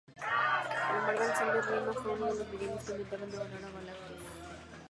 En Marvel Zombies, Rhino fue uno de los villanos que intentaron devorar a Galactus.